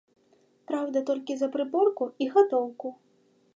Праўда, толькі за прыборку і гатоўку.